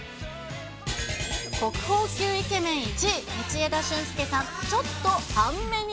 国宝級イケメン１位、道枝駿佑さん、ちょっと半目に。